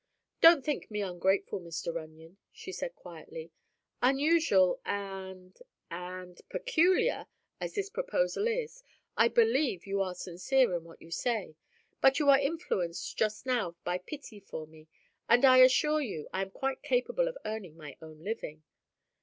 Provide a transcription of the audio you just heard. "Don't think me ungrateful, Mr. Runyon," she said quietly. "Unusual and—and—peculiar—as this proposal is, I believe you are sincere in what you say. But you are influenced just now by pity for me and I assure you I am quite capable of earning my own living."